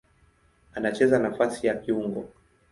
Anacheza nafasi ya kiungo.